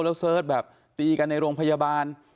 แล้วเสิร์ชแบบตีกันในโรงพยาบาล